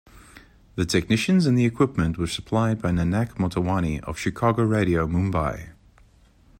The technicians and the equipment were supplied by Nanak Motawani of "Chicago Radio", Mumbai.